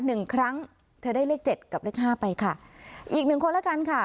หนึ่งครั้งเธอได้เลขเจ็ดกับเลขห้าไปค่ะอีกหนึ่งคนละกันค่ะ